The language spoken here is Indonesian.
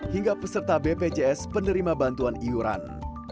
hingga peserta bpjs penerima bantuan iuran